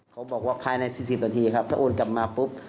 เขาบอกว่าภายใน๔๐นาทีครับถ้าโอนกลับมาปุ๊บ